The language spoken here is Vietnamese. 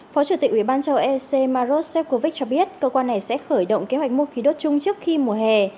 phó chủ tịch uban chô ec maros shevkovich cho biết cơ quan này sẽ khởi động kế hoạch mua khí đốt chung trước khi mùa hè